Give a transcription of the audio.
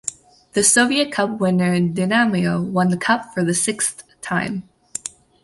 The Soviet Cup winner Dinamo won the cup for the sixth time.